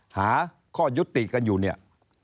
หาข้อยุติกันอยู่เนี่ย